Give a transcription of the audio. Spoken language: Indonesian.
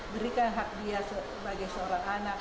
berikan hak dia sebagai seorang anak